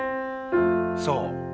そう。